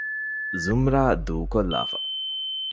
ޒުމްރާ ދޫކޮއްލާފަ